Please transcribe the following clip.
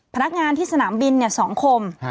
พนักงานที่สนามบิน๒คม